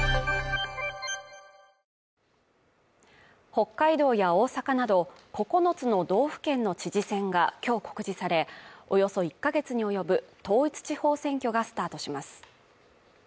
北海道や大阪など９つの道府県の知事選が今日告示されおよそ１ヶ月に及ぶ統一地方選挙がスタートします。